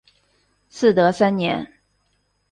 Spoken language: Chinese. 嗣德三年。